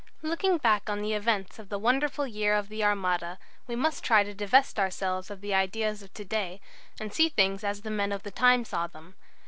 Looking back on the events of the wonderful year of the Armada, we must try to divest ourselves of the ideas of to day, and see things as the men of the time saw them.